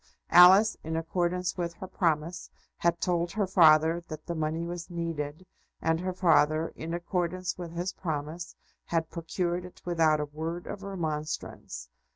Alice, in accordance with her promise, had told her father that the money was needed, and her father, in accordance with his promise, had procured it without a word of remonstrance.